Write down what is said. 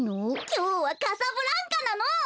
きょうはカサブランカなの！